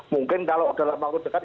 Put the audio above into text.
mungkin kalau dalam waktu dekat